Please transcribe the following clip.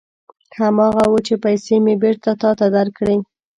هماغه و چې پېسې مې بېرته تا ته درکړې.